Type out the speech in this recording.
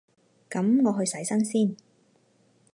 噉我去洗身先